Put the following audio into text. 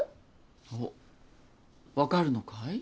ほう分かるのかい？